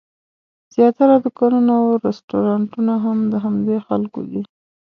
زیاتره دوکانونه او رسټورانټونه هم د همدې خلکو دي.